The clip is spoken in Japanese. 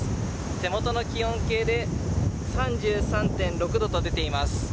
手元の気温計で３３．６度と出ています。